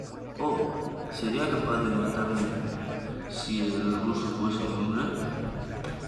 ¡ oh!... ¿ serías capaz de matarme si el ruso fuese un hombre?